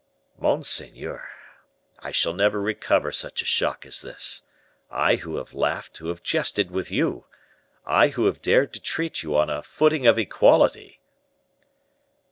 "Monseigneur, I shall never recover such a shock as this; I who have laughed, who have jested with you! I who have dared to treat you on a footing of equality!"